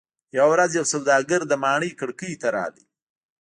یوه ورځ یو سوداګر د ماڼۍ کړکۍ ته راغی.